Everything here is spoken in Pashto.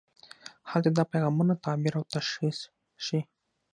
هلته دا پیغامونه تعبیر او تشخیص شي.